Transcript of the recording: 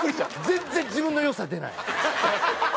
全然自分の良さ出ない！